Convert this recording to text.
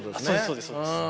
そうですそうです。